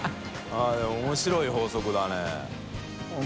任面白い法則だね。